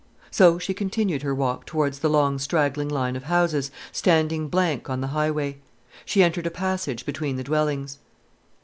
So she continued her walk towards the long straggling line of houses, standing blank on the highway. She entered a passage between the dwellings.